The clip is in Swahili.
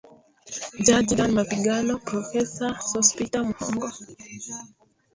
Jaji Dan Mapigano Profesa Sospiter Muhongo